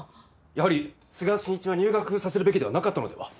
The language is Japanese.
やはり都賀真一は入学させるべきではなかったのでは？